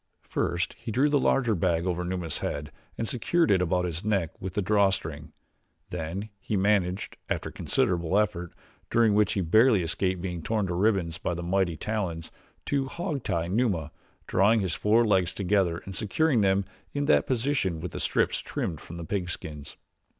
First he drew the larger bag over Numa's head and secured it about his neck with the draw string, then he managed, after considerable effort, during which he barely escaped being torn to ribbons by the mighty talons, to hog tie Numa drawing his four legs together and securing them in that position with the strips trimmed from the pigskins.